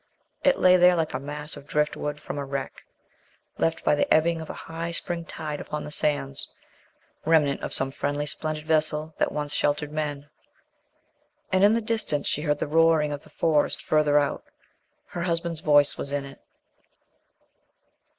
It lay there like a mass of drift wood from a wreck, left by the ebbing of a high spring tide upon the sands remnant of some friendly, splendid vessel that once sheltered men. And in the distance she heard the roaring of the Forest further out. Her husband's voice was in it.